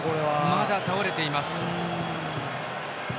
まだ倒れています。